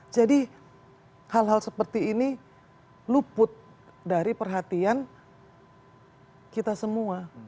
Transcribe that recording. jadi hal hal seperti ini luput dari perhatian kita semua